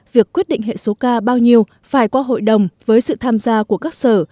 việc quyết định hệ số k bao nhiêu phải qua hội đồng với sự tham gia của các sở